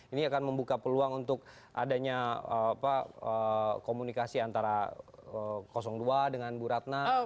ini akan membuka peluang untuk adanya komunikasi antara dua dengan bu ratna